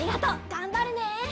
がんばるね。